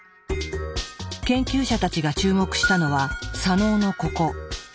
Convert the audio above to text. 研究者たちが注目したのは左脳のここ。